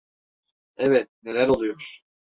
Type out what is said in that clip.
Evet, neler oluyor?